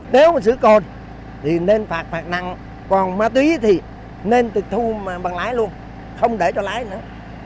nếu mà sửa cồn thì nên phạt phạt nặng còn ma túy thì nên tự thu bằng lái luôn không để cho lái nữa